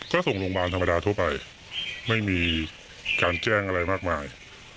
ก็ส่งโรงพยาบาลธรรมดาทั่วไปไม่มีการแจ้งอะไรมากมาย